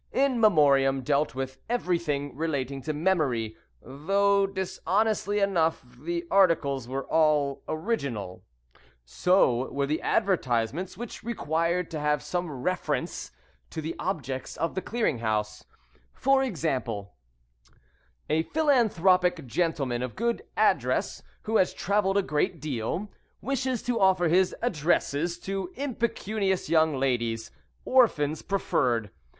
In Memoriam dealt with everything relating to memory, though, dishonestly enough, the articles were all original. So were the advertisements, which were required to have reference to the objects of the Clearing House e.g., A PHILANTHROPIC GENTLEMAN of good address, who has travelled a great deal, wishes to offer his addresses to impecunious young ladies (orphans preferred).